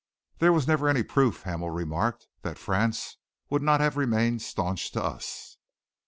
"There was never any proof," Hamel remarked, "that France would not have remained staunch to us."